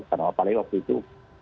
karena apalagi waktu itu